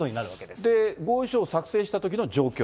で、合意書を作成したときの状況。